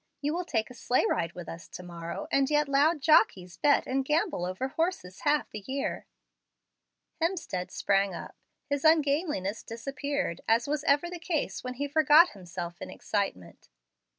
You will take a sleigh ride with us to morrow, and yet loud jockeys bet and gamble over horses half the year." Hemstead sprang up. His ungainliness disappeared, as was ever the case when he forgot himself in excitement.